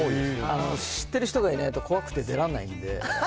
知ってる人がいないと、怖くて出らんないんで。